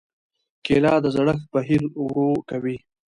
کېله د زړښت بهیر ورو کوي.